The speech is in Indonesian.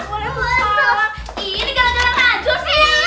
ini galak galak rajwa sih